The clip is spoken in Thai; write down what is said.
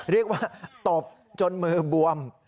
เรียกว่าตบจนมือบวม